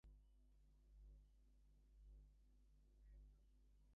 While many of Dickinson's works still stand, an increasing number have been lost.